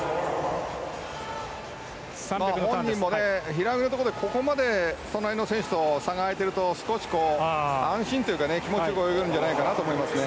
ご本人も平泳ぎのところでここまで隣の選手と差が開いていると少し安心というか気持ち良く泳げるんじゃないかと思いますね。